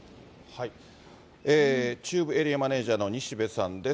中部エリアマネージャーの西部さんです。